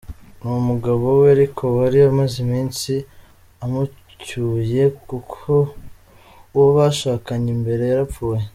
Ni umugabo we ariko wari amaze iminsi amucyuye kuko uwo bashakanye mbere yarapfuye.